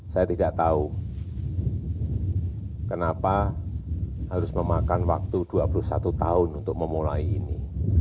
saya tidak tahu kenapa harus memakan waktu dua puluh satu tahun untuk memulai ini